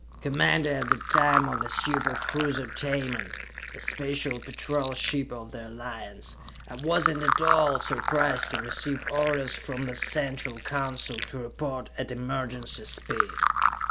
Commander at that time of the super cruiser Tamon, a Special Patrol ship of the Alliance, I was not at all surprised to receive orders from the Central Council to report at emergency speed.